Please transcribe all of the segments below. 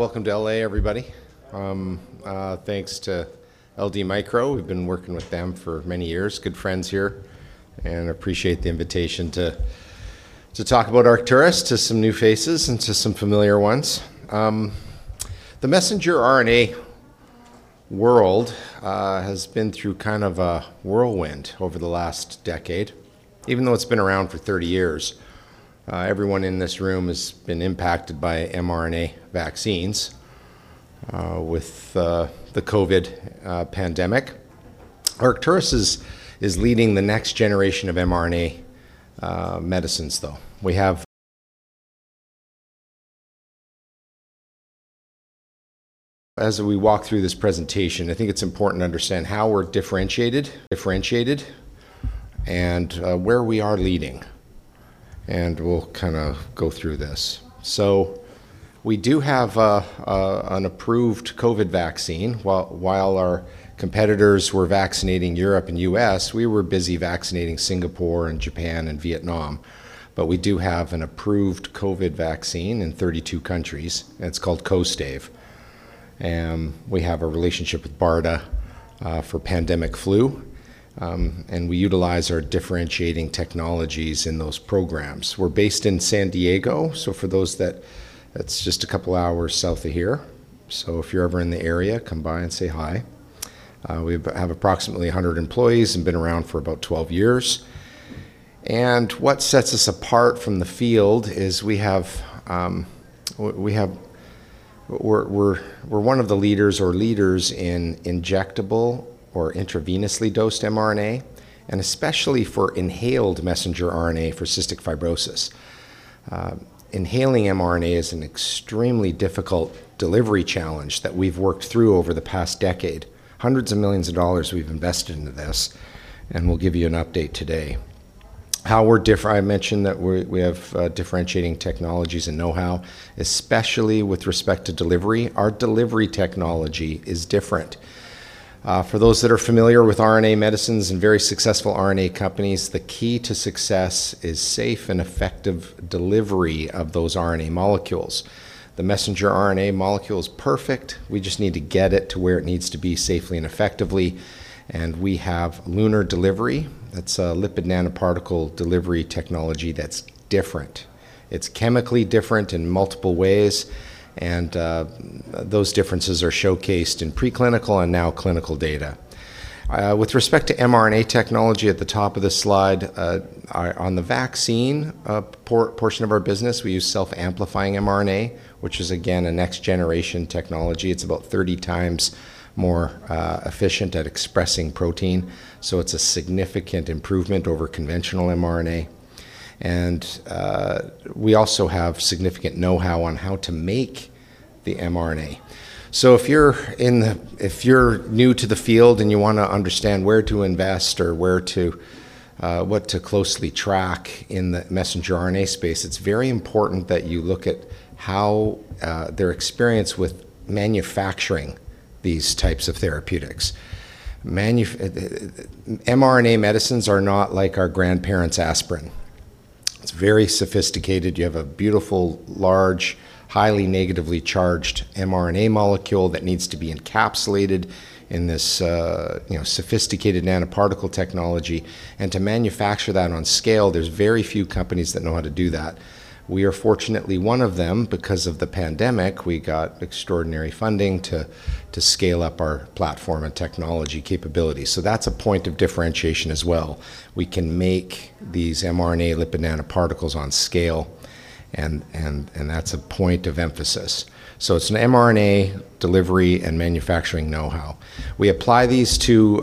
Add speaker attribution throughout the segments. Speaker 1: Welcome to L.A., everybody. Thanks to LD Micro. We've been working with them for many years, good friends here, and appreciate the invitation to talk about Arcturus to some new faces and to some familiar ones. The messenger RNA world has been through kind of a whirlwind over the last decade, even though it's been around for 30 years. Everyone in this room has been impacted by mRNA vaccines with the COVID pandemic. Arcturus is leading the next generation of mRNA medicines, though. As we walk through this presentation, I think it's important to understand how we're differentiated and where we are leading, and we'll kind of go through this. We do have an approved COVID vaccine. While our competitors were vaccinating Europe and U.S., we were busy vaccinating Singapore and Japan and Vietnam. We do have an approved COVID vaccine in 32 countries, and it's called KOSTAIVE. We have a relationship with BARDA for pandemic flu, and we utilize our differentiating technologies in those programs. We're based in San Diego, for those that's just a couple hours south of here. If you're ever in the area, come by and say hi. We have approximately 100 employees and been around for about 12 years. What sets us apart from the field is We're one of the leaders or leaders in injectable or intravenously dosed mRNA, and especially for inhaled messenger RNA for cystic fibrosis. Inhaling mRNA is an extremely difficult delivery challenge that we've worked through over the past decade. Hundreds of millions of dollars we've invested into this, and we'll give you an update today. I mentioned that we have differentiating technologies and know-how, especially with respect to delivery. Our delivery technology is different. For those that are familiar with RNA medicines and very successful RNA companies, the key to success is safe and effective delivery of those RNA molecules. The messenger RNA molecule is perfect. We just need to get it to where it needs to be safely and effectively, and we have LUNAR. That's a lipid nanoparticle delivery technology that's different. It's chemically different in multiple ways, and those differences are showcased in preclinical and now clinical data. With respect to mRNA technology, at the top of this slide, on the vaccine portion of our business, we use self-amplifying mRNA, which is again a next-generation technology. It's about 30 times more efficient at expressing protein, it's a significant improvement over conventional mRNA. We also have significant know-how on how to make the mRNA. If you're new to the field and you wanna understand where to invest or where to what to closely track in the messenger RNA space, it's very important that you look at how their experience with manufacturing these types of therapeutics. mRNA medicines are not like our grandparents' aspirin. It's very sophisticated. You have a beautiful, large, highly negatively charged mRNA molecule that needs to be encapsulated in this, you know, sophisticated nanoparticle technology. To manufacture that on scale, there's very few companies that know how to do that. We are fortunately one of them. Because of the pandemic, we got extraordinary funding to scale up our platform and technology capabilities. That's a point of differentiation as well. We can make these mRNA lipid nanoparticles on scale and that's a point of emphasis. It's an mRNA delivery and manufacturing know-how. We apply these to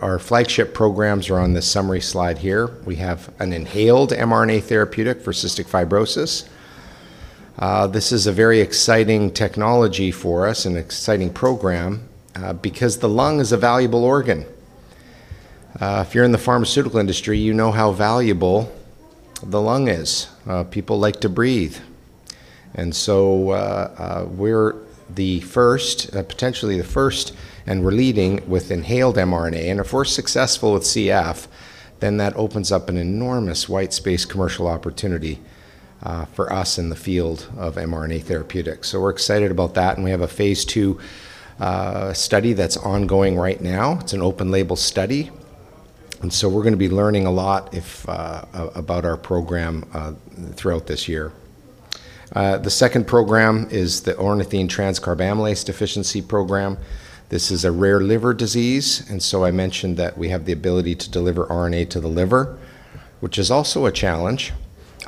Speaker 1: our flagship programs are on this summary slide here. We have an inhaled mRNA therapeutic for cystic fibrosis. This is a very exciting technology for us and exciting program because the lung is a valuable organ. If you're in the pharmaceutical industry, you know how valuable the lung is. People like to breathe. We're the first, potentially the first, and we're leading with inhaled mRNA. If we're successful with CF, then that opens up an enormous white space commercial opportunity for us in the field of mRNA therapeutics. We're excited about that, and we have a phase II study that's ongoing right now. It's an open label study, we're going to be learning a lot if about our program throughout this year. The second program is the ornithine transcarbamylase deficiency program. This is a rare liver disease, I mentioned that we have the ability to deliver RNA to the liver, which is also a challenge.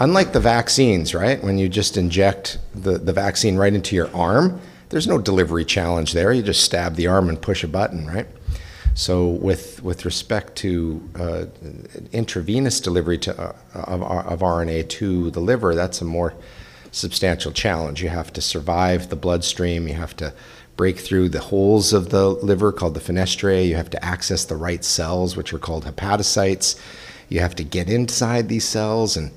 Speaker 1: Unlike the vaccines, right? When you just inject the vaccine right into your arm, there's no delivery challenge there. You just stab the arm and push a button, right? With respect to intravenous delivery of RNA to the liver, that's a more substantial challenge. You have to survive the bloodstream, you have to break through the holes of the liver called the fenestrae, you have to access the right cells, which are called hepatocytes, you have to get inside these cells and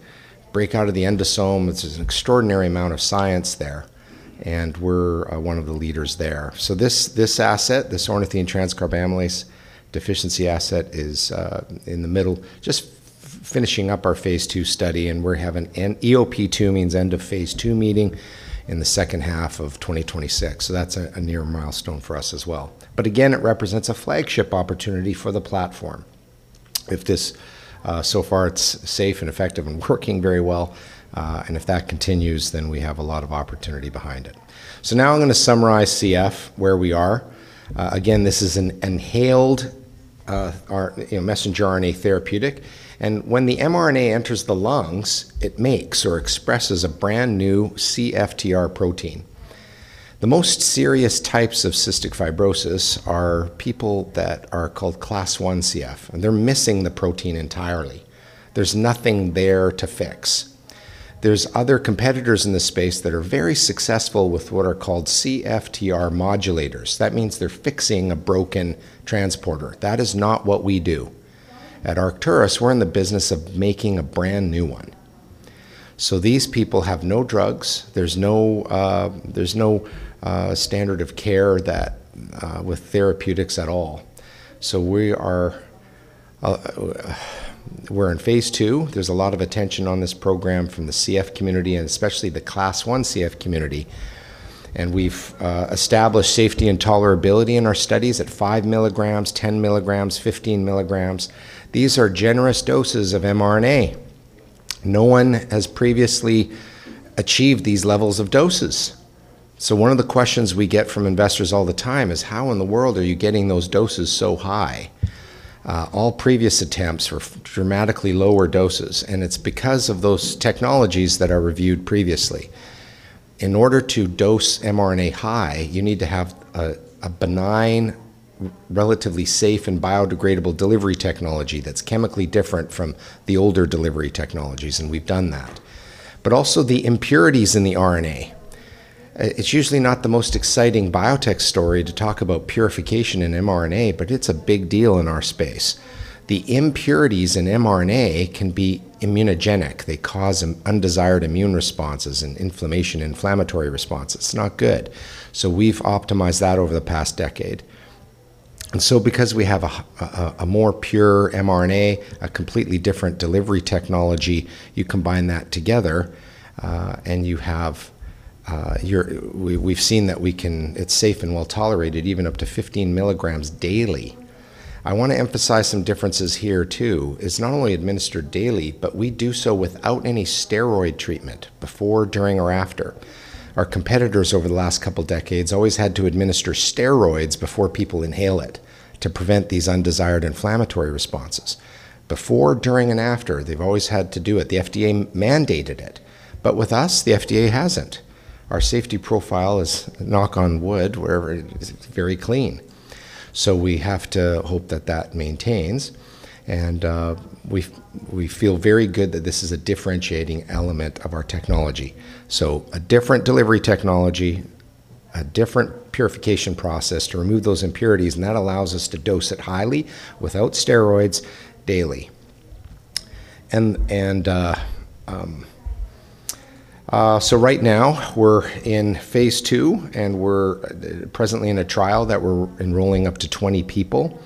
Speaker 1: break out of the endosome. It's an extraordinary amount of science there, and we're one of the leaders there. This asset, this ornithine transcarbamylase deficiency asset is in the middle just finishing up our phase II study, and we have an EOP2 means end of phase II meeting in the second half of 2026, that's a near milestone for us as well. Again, it represents a flagship opportunity for the platform. If this, so far it's safe and effective and working very well, and if that continues, then we have a lot of opportunity behind it. Now I'm going to summarize CF, where we are. Again, this is an inhaled, our, you know, messenger RNA therapeutic, and when the mRNA enters the lungs, it makes or expresses a brand-new CFTR protein. The most serious types of cystic fibrosis are people that are called Class I CF, and they're missing the protein entirely. There's nothing there to fix. There's other competitors in this space that are very successful with what are called CFTR modulators. That means they're fixing a broken transporter. That is not what we do. At Arcturus, we're in the business of making a brand-new one. These people have no drugs. There's no, there's no standard of care that with therapeutics at all. We are, we're in phase II. There's a lot of attention on this program from the CF community and especially the Class I CF community, and we've established safety and tolerability in our studies at 5 mg, 10 mg, 15 mg. These are generous doses of mRNA. No one has previously achieved these levels of doses. One of the questions we get from investors all the time is, "How in the world are you getting those doses so high?" All previous attempts were dramatically lower doses, and it's because of those technologies that I reviewed previously. In order to dose mRNA high, you need to have a benign, relatively safe and biodegradable delivery technology that's chemically different from the older delivery technologies, and we've done that. The impurities in the RNA. It's usually not the most exciting biotech story to talk about purification in mRNA, but it's a big deal in our space. The impurities in mRNA can be immunogenic. They cause an undesired immune responses and inflammation, inflammatory response. It's not good. We've optimized that over the past decade. Because we have a more pure mRNA, a completely different delivery technology, you combine that together, and you have, we've seen that it's safe and well-tolerated even up to 15 mg daily. I wanna emphasize some differences here too. It's not only administered daily, but we do so without any steroid treatment before, during, or after. Our competitors over the last couple decades always had to administer steroids before people inhale it to prevent these undesired inflammatory responses. Before, during, and after, they've always had to do it. The FDA mandated it. With us, the FDA hasn't. Our safety profile is, knock on wood, wherever it is, it's very clean. We have to hope that that maintains, and we feel very good that this is a differentiating element of our technology. A different delivery technology, a different purification process to remove those impurities, and that allows us to dose it highly without steroids daily. Right now we're in phase II, and we're presently in a trial that we're enrolling up to 20 people.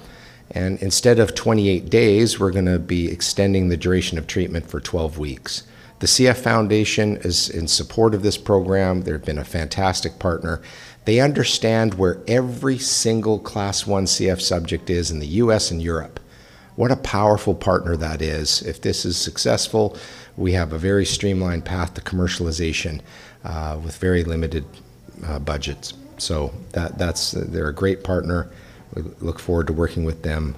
Speaker 1: Instead of 28 days, we're gonna be extending the duration of treatment for 12 weeks. The CF Foundation is in support of this program. They've been a fantastic partner. They understand where every single Class I CF subject is in the U.S. Europe. What a powerful partner that is. If this is successful, we have a very streamlined path to commercialization, with very limited budgets. They're a great partner. We look forward to working with them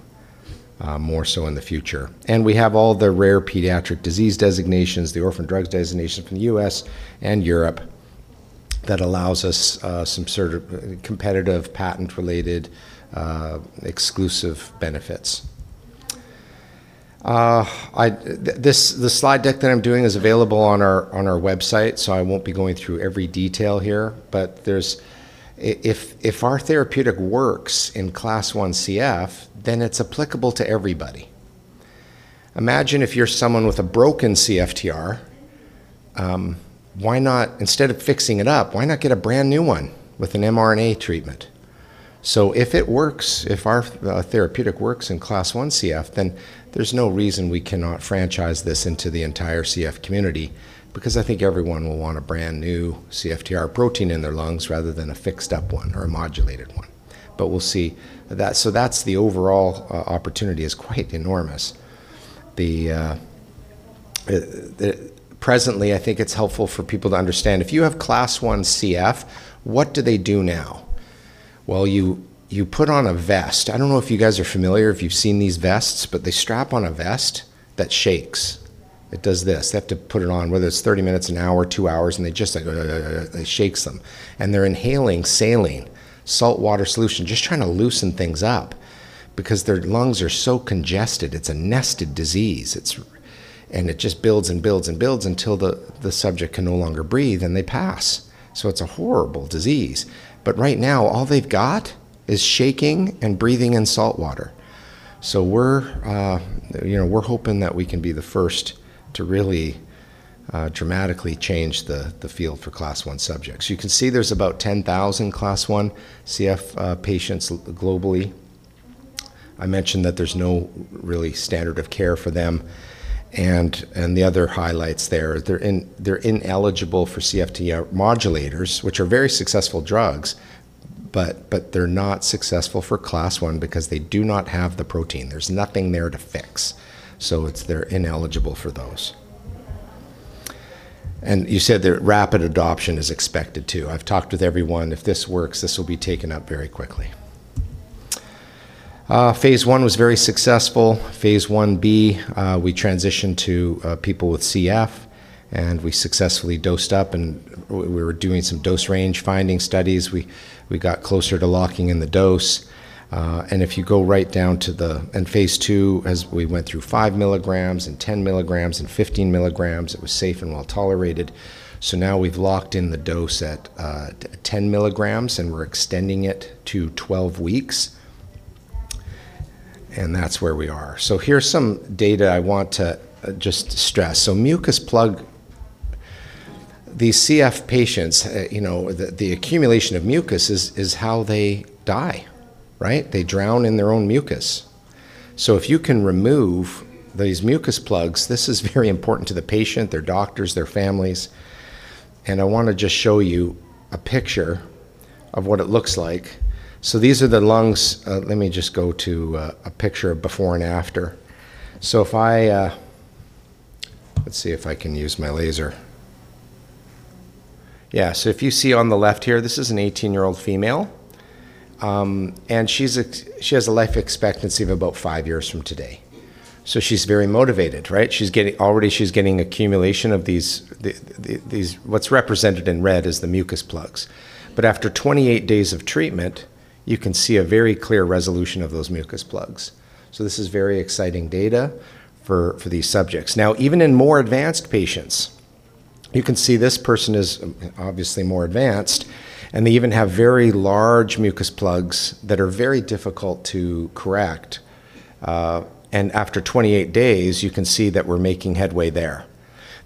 Speaker 1: more so in the future. We have all the Rare Pediatric Disease Designations, the Orphan Drug Designations from the U.S. and Europe that allows us some sort of competitive patent-related exclusive benefits. The slide deck that I'm doing is available on our website, so I won't be going through every detail here. If our therapeutic works in Class I CF, then it's applicable to everybody. Imagine if you're someone with a broken CFTR, why not, instead of fixing it up, why not get a brand-new one with an mRNA treatment? If it works, if our therapeutic works in Class I CF, then there's no reason we cannot franchise this into the entire CF community because I think everyone will want a brand-new CFTR protein in their lungs rather than a fixed-up one or a modulated one. We'll see. That's the overall opportunity is quite enormous. Presently, I think it's helpful for people to understand, if you have Class I CF, what do they do now? Well, you put on a vest. I don't know if you guys are familiar, if you've seen these vests, but they strap on a vest that shakes. It does this. They have to put it on, whether it's 30 minutes, an hour, two hours, and it just like it shakes them. They're inhaling saline, saltwater solution, just trying to loosen things up because their lungs are so congested. It's a nested disease. It just builds and builds and builds until the subject can no longer breathe, and they pass. It's a horrible disease. Right now, all they've got is shaking and breathing in saltwater. We're, you know, we're hoping that we can be the first to really dramatically change the field for Class I subjects. You can see there's about 10,000 Class I CF patients globally. I mentioned that there's no really standard of care for them and the other highlights there. They're ineligible for CFTR modulators, which are very successful drugs. But they're not successful for Class I because they do not have the protein. There's nothing there to fix. They're ineligible for those. You said that rapid adoption is expected too. I've talked with everyone. If this works, this will be taken up very quickly. Phase I was very successful. Phase I-B, we transitioned to people with CF, and we successfully dosed up, and we were doing some dose range finding studies. We got closer to locking in the dose. If you go right down to phase II, as we went through five milligrams and 10 mg and 15 mg, it was safe and well-tolerated. Now we've locked in the dose at 10 mg, and we're extending it to 12 weeks, and that's where we are. Here's some data I want to just stress. Mucus plug, these CF patients, you know, the accumulation of mucus is how they die, right? They drown in their own mucus. If you can remove these mucus plugs, this is very important to the patient, their doctors, their families, and I wanna just show you a picture of what it looks like. These are the lungs. Let me just go to a picture of before and after. Let's see if I can use my laser. If you see on the left here, this is an 18-year-old female, and she has a life expectancy of about five years from today. She's very motivated, right? Already, she's getting accumulation of these, what's represented in red is the mucus plugs. After 28 days of treatment, you can see a very clear resolution of those mucus plugs. This is very exciting data for these subjects. Now, even in more advanced patients, you can see this person is obviously more advanced, and they even have very large mucus plugs that are very difficult to correct. After 28 days, you can see that we're making headway there.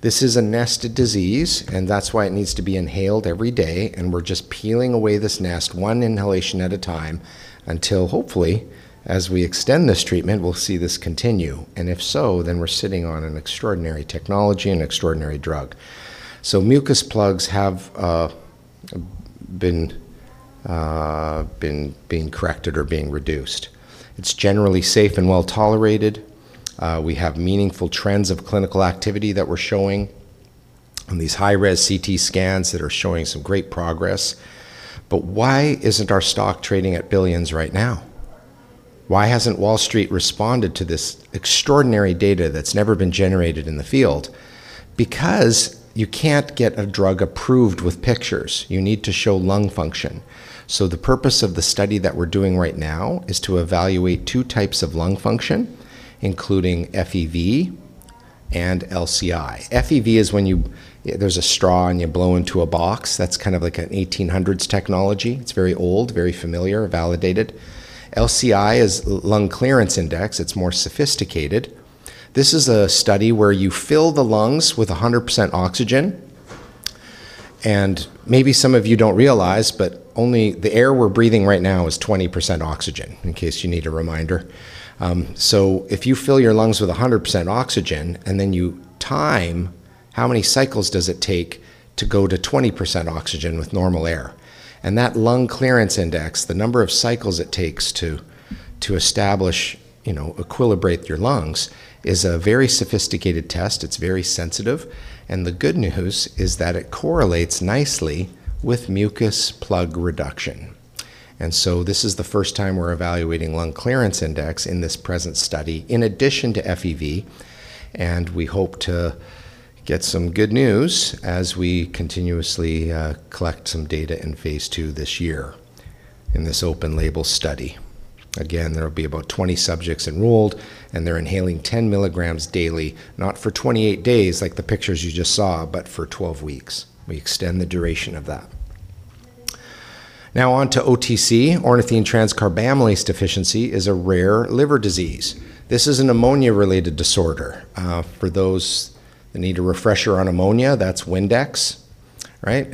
Speaker 1: This is a nested disease, and that's why it needs to be inhaled every day, and we're just peeling away this nest one inhalation at a time until hopefully, as we extend this treatment, we'll see this continue. If so, we're sitting on an extraordinary technology and extraordinary drug. Mucus plugs have been being corrected or being reduced. It's generally safe and well-tolerated. We have meaningful trends of clinical activity that we're showing on these high-resolution CT scans that are showing some great progress. Why isn't our stock trading at billions right now? Why hasn't Wall Street responded to this extraordinary data that's never been generated in the field? Because you can't get a drug approved with pictures. You need to show lung function. The purpose of the study that we're doing right now is to evaluate two types of lung function, including FEV and LCI. FEV is when there's a straw, and you blow into a box. That's kind of like an 1800s technology. It's very old, very familiar, validated. LCI is lung clearance index. It's more sophisticated. This is a study where you fill the lungs with 100% oxygen, and maybe some of you don't realize, but the air we're breathing right now is 20% oxygen, in case you need a reminder. If you fill your lungs with 100% oxygen and then you time how many cycles does it take to go to 20% oxygen with normal air, that lung clearance index, the number of cycles it takes to establish, you know, equilibrate your lungs, is a very sophisticated test. It's very sensitive. The good news is that it correlates nicely with mucus plug reduction. This is the first time we're evaluating lung clearance index in this present study in addition to FEV, and we hope to get some good news as we continuously collect some data in phase II this year in this open label study. Again, there will be about 20 subjects enrolled, and they're inhaling 10 mg daily, not for 28 days like the pictures you just saw, but for 12 weeks. We extend the duration of that. Now on to OTC. Ornithine transcarbamylase deficiency is a rare liver disease. This is an ammonia-related disorder. For those that need a refresher on ammonia, that's Windex, right?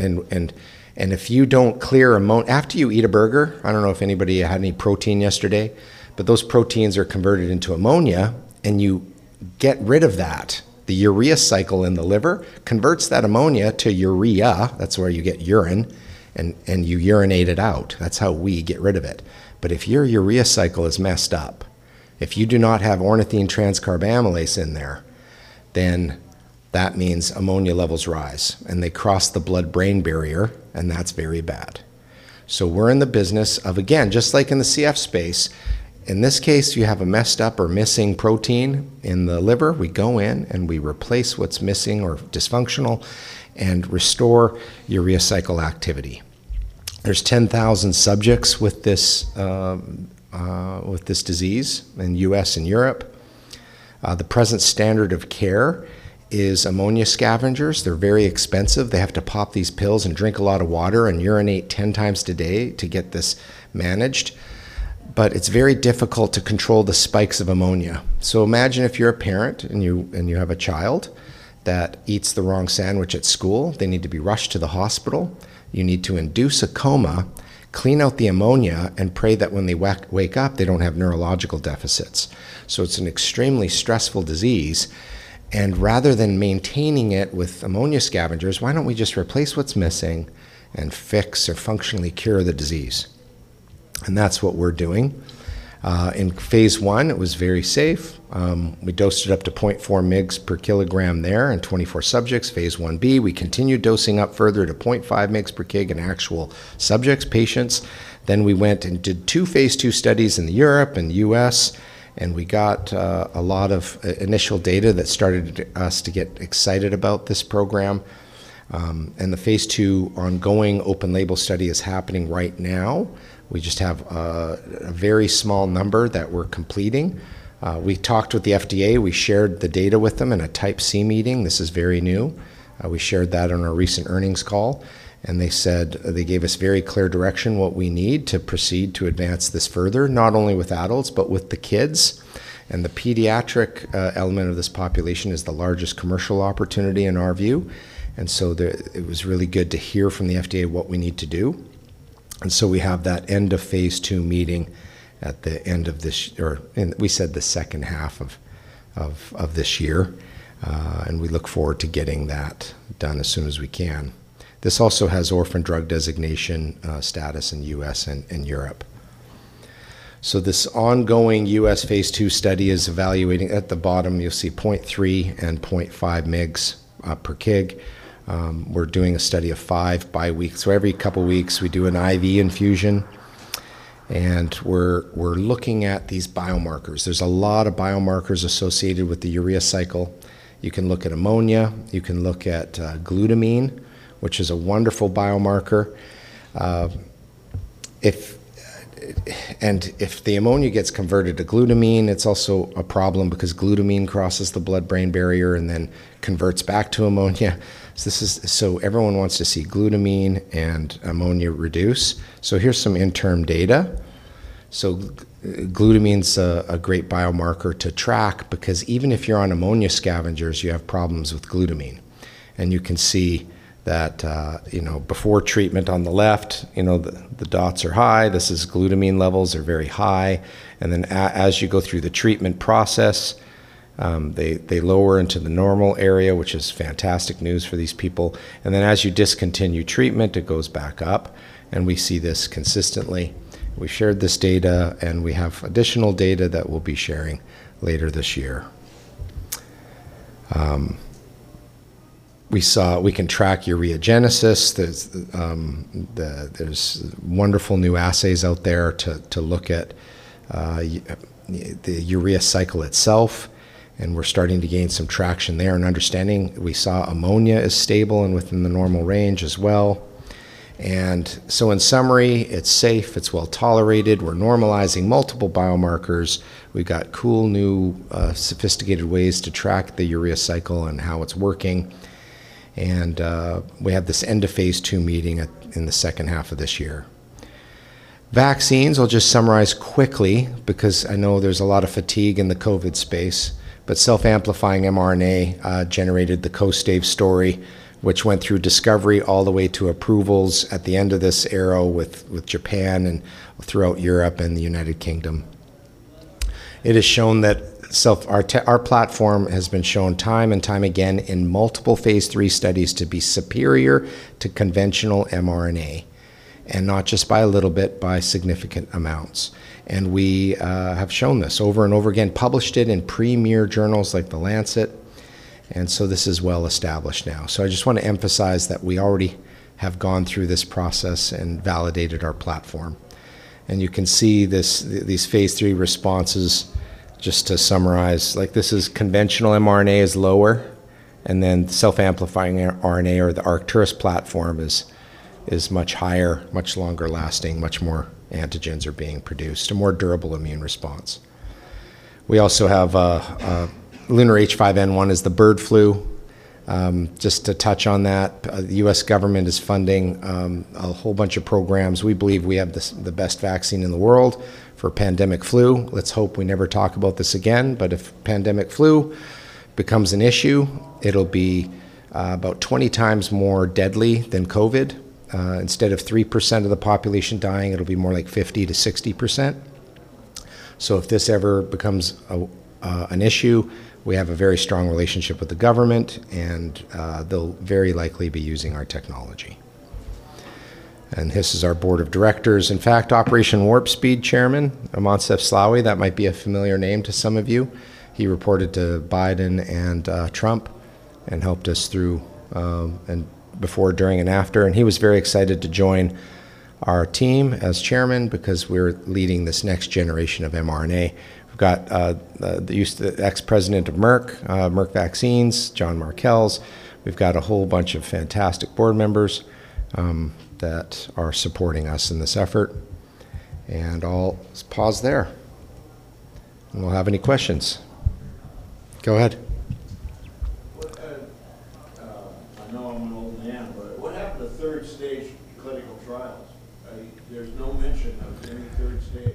Speaker 1: If you don't clear After you eat a burger, I don't know if anybody had any protein yesterday, but those proteins are converted into ammonia, and you get rid of that. The urea cycle in the liver converts that ammonia to urea. That's where you get urine, and you urinate it out. That's how we get rid of it. If your urea cycle is messed up, if you do not have ornithine transcarbamylase in there, that means ammonia levels rise, and they cross the blood-brain barrier, and that's very bad. We're in the business of, again, just like in the CF space, in this case, you have a messed up or missing protein in the liver. We go in, and we replace what's missing or dysfunctional and restore urea cycle activity. There's 10,000 subjects with this disease in U.S. and Europe. The present standard of care is ammonia scavengers. They're very expensive. They have to pop these pills and drink a lot of water and urinate 10 times today to get this managed. It's very difficult to control the spikes of ammonia. Imagine if you're a parent and you have a child that eats the wrong sandwich at school. They need to be rushed to the hospital. You need to induce a coma, clean out the ammonia, and pray that when they wake up, they don't have neurological deficits. It's an extremely stressful disease, and rather than maintaining it with ammonia scavengers, why don't we just replace what's missing and fix or functionally cure the disease? That's what we're doing. In phase I, it was very safe. We dosed it up to 0.4 mg/kg there in 24 subjects. phase I-B, we continued dosing up further to 0.5 mg/kg in actual subjects, patients. We went and did two phase II studies in Europe and U.S., we got a lot of initial data that started us to get excited about this program. The phase II ongoing open label study is happening right now. We just have a very small number that we're completing. We talked with the FDA. We shared the data with them in a Type C meeting. This is very new. We shared that on our recent earnings call, they gave us very clear direction what we need to proceed to advance this further, not only with adults, but with the kids. The pediatric element of this population is the largest commercial opportunity in our view. It was really good to hear from the FDA what we need to do. We have that end of phase II meeting at the end of this, or and we said the second half of this year, and we look forward to getting that done as soon as we can. This also has Orphan Drug Designation status in U.S. and Europe. This ongoing U.S. phase II study is evaluating at the bottom, you'll see 0.3 mg/kg and 0.5 mg/kg. We're doing a study of five bi-weeks. Every couple of weeks we do an IV infusion, and we're looking at these biomarkers. There's a lot of biomarkers associated with the urea cycle. You can look at ammonia, you can look at glutamine, which is a wonderful biomarker. If the ammonia gets converted to glutamine, it's also a problem because glutamine crosses the blood-brain barrier and then converts back to ammonia. Everyone wants to see glutamine and ammonia reduce. Here's some interim data. Glutamine's a great biomarker to track because even if you're on ammonia scavengers, you have problems with glutamine. You can see that, you know, before treatment on the left, you know, the dots are high. This is glutamine levels are very high. As you go through the treatment process, they lower into the normal area, which is fantastic news for these people. As you discontinue treatment, it goes back up. We see this consistently. We shared this data. We have additional data that we'll be sharing later this year. We can track ureagenesis. There's wonderful new assays out there to look at the urea cycle itself, and we're starting to gain some traction there and understanding. We saw ammonia is stable and within the normal range as well. In summary, it's safe, it's well-tolerated. We're normalizing multiple biomarkers. We've got cool new, sophisticated ways to track the urea cycle and how it's working. We have this end of phase II meeting in the second half of this year. Vaccines, I'll just summarize quickly because I know there's a lot of fatigue in the COVID space. Self-amplifying mRNA generated the KOSTAIVE story, which went through discovery all the way to approvals at the end of this era with Japan and throughout Europe and the United Kingdom. It has shown that our platform has been shown time and time again in multiple phase III studies to be superior to conventional mRNA, and not just by a little bit, by significant amounts. We have shown this over and over again, published it in premier journals like The Lancet. This is well established now. I just want to emphasize that we already have gone through this process and validated our platform. You can see this these phase III responses just to summarize, like this is conventional mRNA is lower, and then self-amplifying mRNA or the Arcturus platform is much higher, much longer lasting, much more antigens are being produced, a more durable immune response. We also have LUNAR-H5N1 is the bird flu. Just to touch on that, the U.S. government is funding a whole bunch of programs. We believe we have the best vaccine in the world for pandemic flu. Let's hope we never talk about this again. If pandemic flu becomes an issue, it'll be about 20 times more deadly than COVID. Instead of 3% of the population dying, it'll be more like 50%-60%. If this ever becomes an issue, we have a very strong relationship with the government and they'll very likely be using our technology. This is our board of directors. In fact, Operation Warp Speed Chairman Moncef Slaoui, that might be a familiar name to some of you. He reported to Biden and Trump and helped us through and before, during, and after. He was very excited to join our team as chairman because we're leading this next generation of mRNA. We've got the ex-president of Merck Vaccines, Jacques Cholat. We've got a whole bunch of fantastic board members that are supporting us in this effort. I'll pause there. Anyone have any questions? Go ahead.
Speaker 2: What, I know I'm an old man, but what happened to phase III clinical trials? I mean, there's no mention of any phase III.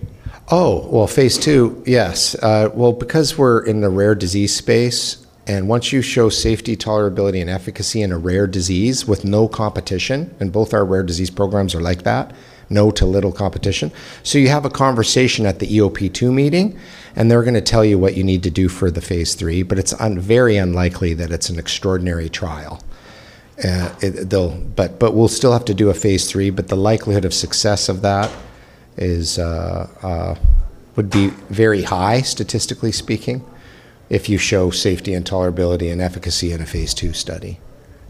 Speaker 1: Oh, well, phase II. Yes. Well, because we're in the rare disease space, once you show safety, tolerability, and efficacy in a rare disease with no competition, and both our rare disease programs are like that, no to little competition. You have a conversation at the EOP2 meeting, they're gonna tell you what you need to do for the phase III, but it's very unlikely that it's an extraordinary trial. But we'll still have to do a phase III, the likelihood of success of that is very high, statistically speaking, if you show safety and tolerability and efficacy in a phase II study.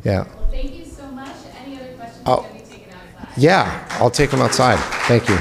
Speaker 1: Yeah.
Speaker 3: Well, thank you so much. Any other questions can be taken outside.
Speaker 1: Yeah, I'll take them outside. Thank you.